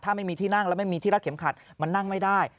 ถ้าไม่มีที่นั่งแล้วไม่มีที่รัดเข็มขัดมันนั่งไม่ได้